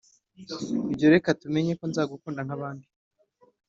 ibyo reka tumenye ko nzagukunda nkabandi.